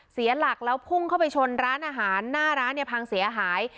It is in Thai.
เสียหลักแล้วพุ่งเข้าไปชนร้านอาหารหน้าร้านเนี่ยพังเสียหาย